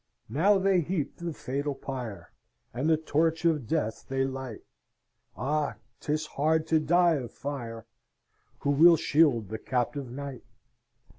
"Now they heap the fatal pyre, And the torch of death they light Ah! 'tis hard to die of fire! Who will shield the captive knight?